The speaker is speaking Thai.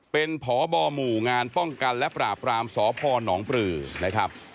เป็นพบหมู่งานป้องกันและปราบรามสพนปรือนะครับ